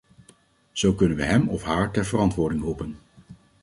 Zo kunnen we hem of haar ter verantwoording roepen.